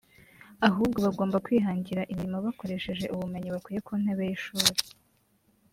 ahubwo bagomba kwihangira imirimo bakoresheje ubumenyi bakuye ku ntebe y’ishuri